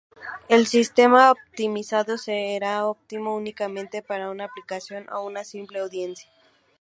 El sistema optimizado será óptimo únicamente para una aplicación o una simple audiencia.